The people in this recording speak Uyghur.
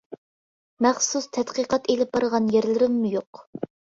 مەخسۇس تەتقىقات ئېلىپ بارغان يەرلىرىممۇ يوق.